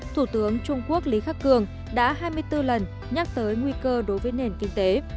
thủ tướng trung quốc lý khắc cường đã hai mươi bốn lần nhắc tới nguy cơ đối với nền kinh tế